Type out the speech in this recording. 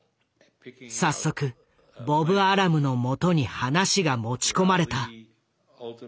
早速ボブ・アラムのもとに話が持ち込まれた。